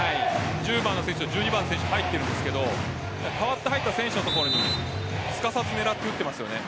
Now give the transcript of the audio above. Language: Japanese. １０番の選手と１２番の選手入っているんですけど代わって入った選手の所にすかさず狙って打っていますよね。